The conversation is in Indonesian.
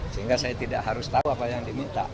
sehingga saya tidak harus tahu apa yang diminta